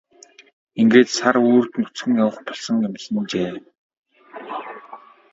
Ингээд сар үүрд нүцгэн явах болсон юмсанжээ.